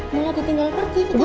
mulai ditinggal pergi